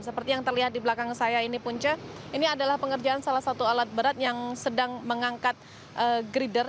seperti yang terlihat di belakang saya ini punca ini adalah pengerjaan salah satu alat berat yang sedang mengangkat grider